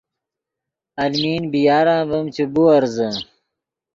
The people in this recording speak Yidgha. المین بی یار ام ڤیم چے بیورزے